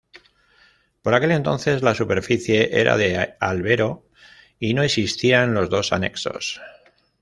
Por aquel entonces la superficie era de albero y no existían los dos anexos.